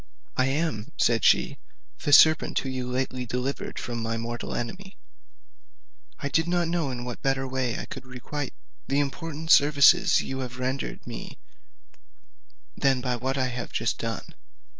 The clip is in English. "I am," said she, "the serpent whom you lately delivered from my mortal enemy. I did not know in what way I could better requite the important services you have rendered me than by what I have just done.